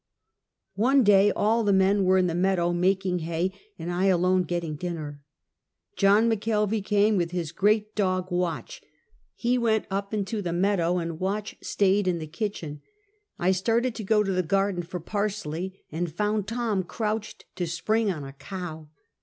One day, all the men were in the meadow making ha}', and I alone getting dinner. John McKelvey came with his great dog, Watch. He went up into the meadow, and "Watch staid in the kitchen. I started to go to the garden for parsley, and found Tom crouched to spring on a cow.